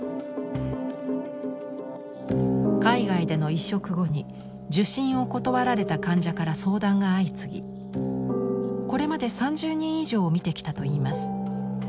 海外での移植後に受診を断られた患者から相談が相次ぎこれまで３０人以上を診てきたといいます。